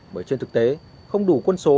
bởi trên thực tế không đủ quân số